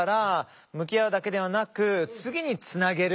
向き合うだけではなく次につなげる。